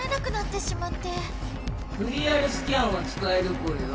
クリアルスキャンはつかえるぽよ？